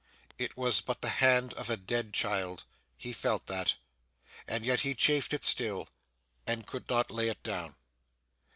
It was but the hand of a dead child. He felt that; and yet he chafed it still, and could not lay it down.